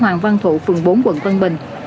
hai trăm linh sáu hoàng văn thụ phường bốn quận vân bình